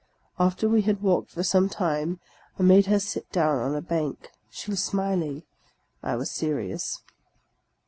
After we had walked for some time, I made her sit down on a bank; she was smiling. I was serious.